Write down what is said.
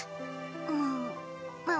うんま